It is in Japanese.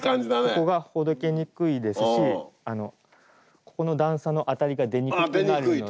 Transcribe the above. ここがほどけにくいですしここの段差のあたりが出にくくなるので。